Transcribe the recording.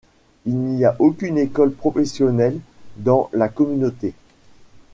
Il n'y a aucune école professionnelle dans la communauté.